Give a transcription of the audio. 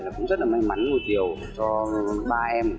là cũng rất là may mắn một điều cho ba em